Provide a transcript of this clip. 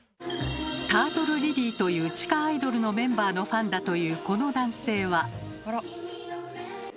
「タートルリリー」という地下アイドルのメンバーのファンだというこの男性は？